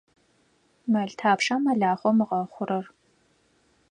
Мэл тхьапша мэлахъом ыгъэхъурэр?